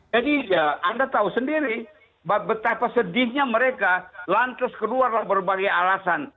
jadi anda tahu sendiri betapa sedihnya mereka lantas keluar berbagai alasan